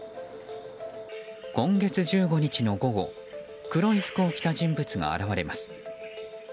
今月１５日の午後黒い服を着た人物が現れます。